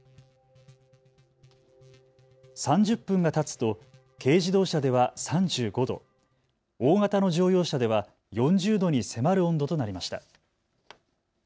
３０分がたつと軽自動車では３５度、大型の乗用車では４０度に迫る温度となりました。